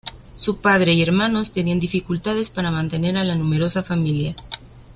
Su padre y hermanos tenían dificultades para mantener a la numerosa familia.